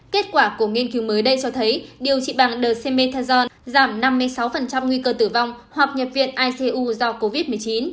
kết quả của nghiên cứu mới đây cho thấy điều trị bằng the methanol giảm năm mươi sáu nguy cơ tử vong hoặc nhập viện icu do covid một mươi chín